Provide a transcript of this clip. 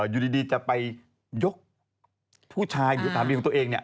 อยู่ดีจะไปยกผู้ชายหรือสามีของตัวเองเนี่ย